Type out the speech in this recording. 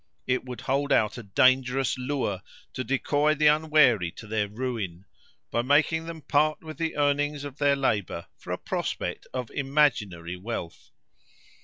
It would hold out a dangerous lure to decoy the unwary to their ruin, by making them part with the earnings of their labour for a prospect of imaginary wealth.